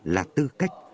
là tư cách